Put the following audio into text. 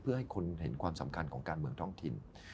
เพื่อให้คนเห็นความสำคัญของการเมืองท้องถิ่น